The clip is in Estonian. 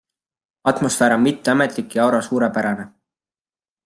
Atmosfäär on mitteametlik ja aura suurepärane.